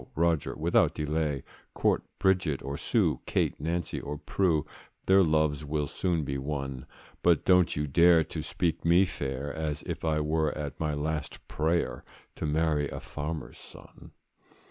Roger, without delay, Court Bridget or Sue, Kate, Nancy, or Prue, Their loves will soon be won; But don't you dare to speak me fair, As if I were at my last prayer, To marry a farmer's son.